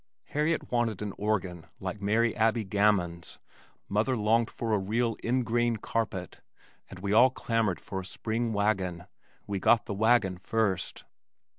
Harriet wanted an organ like Mary Abby Gammons, mother longed for a real "in grain" carpet and we all clamored for a spring wagon. We got the wagon first.